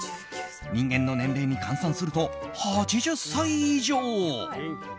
人間の年齢に換算すると８０歳以上。